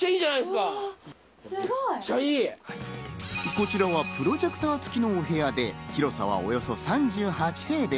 こちらはプロジェクターつきのお部屋で、広さはおよそ３８平米。